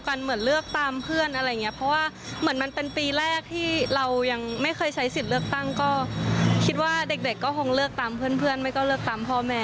คงเลือกตามเพื่อนไม่ก็เลือกตามพ่อแม่ค่ะ